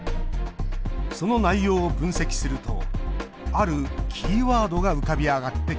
その内容を分析するとあるキーワードが浮かび上がってきました。